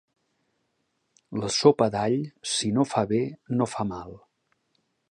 La sopa d'all, si no fa bé, no fa mal.